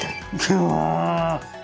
うわ。